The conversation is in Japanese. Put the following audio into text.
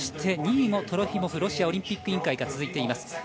２位もトロフィモフロシアオリンピック委員会が続いています。